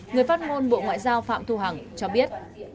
người phát ngôn bộ ngoại giao phạm thu hằng cho biết